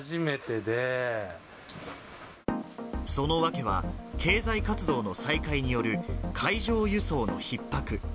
その訳は、経済活動の再開による海上輸送のひっ迫。